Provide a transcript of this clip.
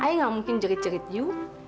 ayah nggak mungkin jerit jerit you